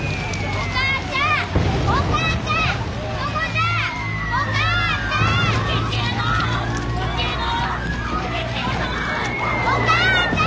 お母ちゃん！